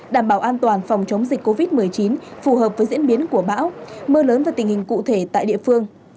đảm bảo an toàn phòng chống dịch covid một mươi chín phù hợp với diễn biến của bão mưa lớn và tình hình cụ thể tại địa phương